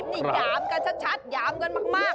นี่หยามกันชัดหยามกันมาก